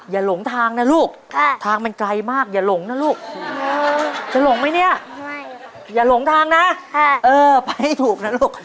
หลงทางนะลูกทางมันไกลมากอย่าหลงนะลูกจะหลงไหมเนี่ยอย่าหลงทางนะเออไปให้ถูกนะลูก